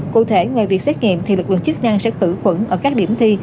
cụ thể ngay việc xét nghiệm lực lượng chức năng sẽ khử quẩn ở các điểm thi